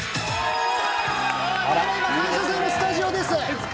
ただいま「感謝祭」のスタジオです。